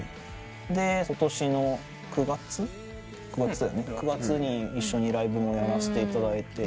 でことしの９月に一緒にライブもやらせていただいて。